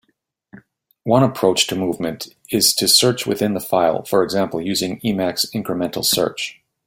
One approach to movement is to search within the file, for example using Emacs incremental search.